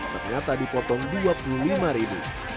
ternyata dipotong rp dua puluh lima